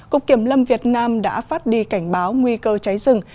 cục kiểm lâm việt nam đã phát đi cảnh báo nguy cơ cháy rừng